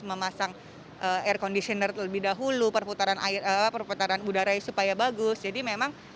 memasang air conditioner terlebih dahulu perputaran air perputaran udara supaya bagus jadi memang